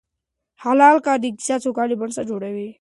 حلال کار د اقتصادي سوکالۍ بنسټ جوړوي.